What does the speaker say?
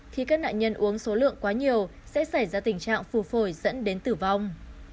khi các nạn nhân uống số lượng quá nhiều sẽ xảy ra tình trạng phù phổi dẫn đến tử vong